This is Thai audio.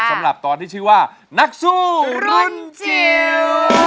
สำหรับตอนที่ชื่อว่านักสู้รุ่นจิ๋ว